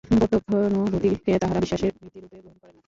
প্রত্যক্ষানুভূতিকে তাঁহারা বিশ্বাসের ভিত্তিরূপে গ্রহণ করেন না।